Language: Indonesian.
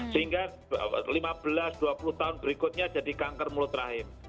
sehingga lima belas dua puluh tahun berikutnya jadi kanker mulut rahim